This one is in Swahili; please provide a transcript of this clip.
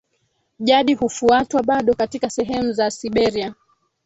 jadi hufuatwa bado katika sehemu za Siberia